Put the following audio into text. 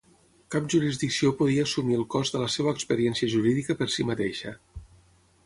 Cap jurisdicció podia assumir el cost de la seva experiència jurídica per sí mateixa.